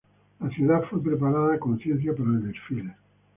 La ciudad fue preparada a conciencia para el desfile.